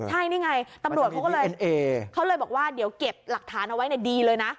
ใช่นี่ไงตำรวจเขาก็เลยเขาเลยบอกว่าเดี๋ยวเก็บหลักฐานเอาไว้ดีเลยนะ